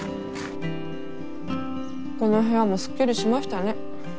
この部屋もすっきりしましたね。